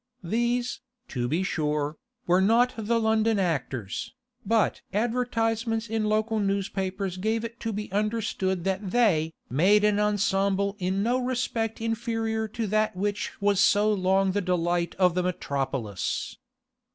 These, to be sure, were not the London actors, but advertisements in local newspapers gave it to be understood that they 'made an ensemble in no respect inferior to that which was so long the delight of the metropolis.